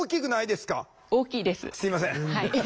すいません。